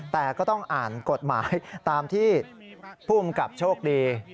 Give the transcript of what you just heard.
แต่ก็ต้องอ่านกฎหมายตามที่ผู้กำกับโชคดี